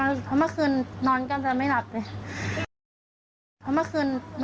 เพราะเมื่อคืนนอนกันจะไม่หลับเลย